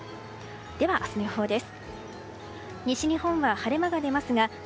では、明日の予報です。